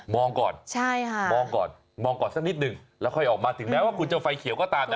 ก่อนใช่ค่ะมองก่อนมองก่อนสักนิดหนึ่งแล้วค่อยออกมาถึงแม้ว่าคุณจะไฟเขียวก็ตามนะ